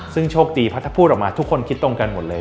ซึ่งโชคดีเพราะถ้าพูดออกมาทุกคนคิดตรงกันหมดเลย